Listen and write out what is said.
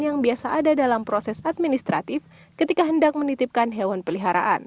yang biasa ada dalam proses administratif ketika hendak menitipkan hewan peliharaan